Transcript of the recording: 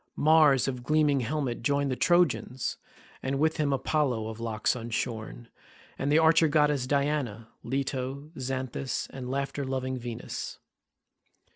Mars of gleaming helmet joined the Trojans, and with him Apollo of locks unshorn, and the archer goddess Diana, Leto, Xanthus, and laughter loving Venus.